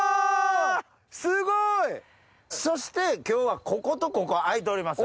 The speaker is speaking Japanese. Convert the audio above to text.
すごい！そして今日はこことここ空いております。